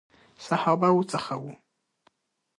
صحابه وو څخه وو.